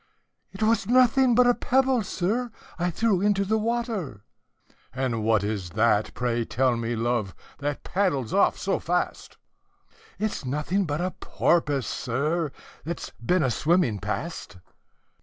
"'T was nothing but a pebble, sir, I threw into the water." "And what is that, pray tell me, love, that paddles off so fast?" "It's nothing but a porpoise, sir, that 's been a swimming past."